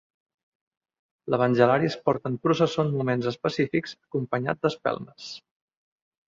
L'evangelari es porta en processó en moments específics, acompanyat d'espelmes.